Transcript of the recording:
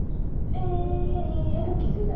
えよく気付いたね。